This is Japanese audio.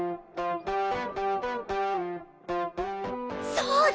そうだ！